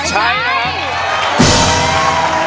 ใช้นะ